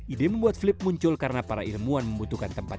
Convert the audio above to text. ide membuat flip muncul karena para ilmuwan membutuhkan tempat